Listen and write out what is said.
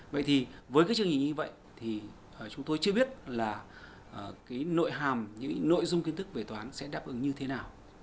vậy thì với cái chương trình như vậy thì chúng tôi chưa biết là cái nội hàm những nội dung kiến thức về toán sẽ đáp ứng như thế nào